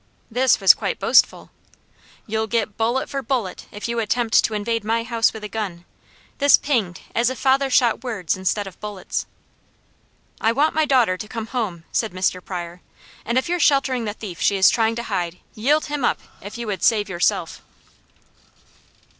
This was quite boastful. "You'll get bullet for bullet, if you attempt to invade my house with a gun." This pinged as if father shot words instead of bullets. "I want my daughter to come home," said Mr. Pryor. "And if you're sheltering the thief she is trying to hide, yield him up, if you would save yourself."